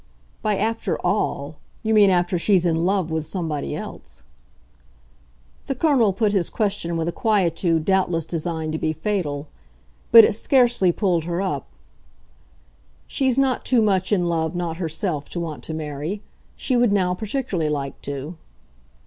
"By after 'all' you mean after she's in love with somebody else?" The Colonel put his question with a quietude doubtless designed to be fatal; but it scarcely pulled her up. "She's not too much in love not herself to want to marry. She would now particularly like to."